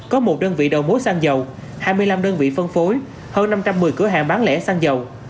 có một đơn vị đầu mối xăng dầu hai mươi năm đơn vị phân phối hơn năm trăm một mươi cửa hàng bán lẻ xăng dầu